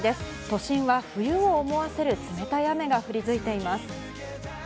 都心は冬を思わせる冷たい雨が降り続いています。